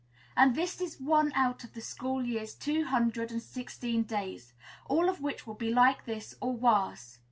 And this is one out of the school year's two hundred and sixteen days all of which will be like this, or worse.